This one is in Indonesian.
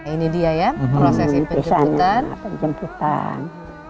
ini dia ya proses penjemputan